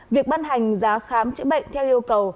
việc ban hành giá khám chữa bệnh theo yêu cầu